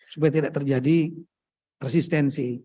supaya tidak terjadi resistensi